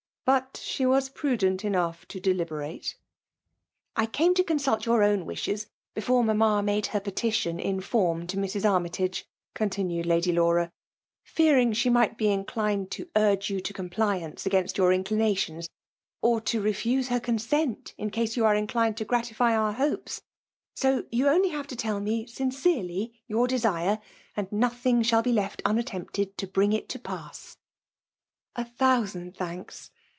But she was prudent enough to •deliberate. *' I came to consult your own wishes before mamma made her petition in form to Mas. Annytage/' continued Lady Laura, '* fearing «he m^ht be inclined to urge you to compli gl§ VSMAIJE DOMINAtUniV 4ncc against your indihatttfns ; or to' refiM6 ^cr coasent, iiLcase you are incHiiefd to grlictiiy our hopes. So you have only to lett me sitt^ cerdy your desive, and nothing shail • be left unaitempted to bring it to pass." '•^ /'.A thousand thanks!